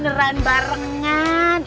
eh kebeneran barengan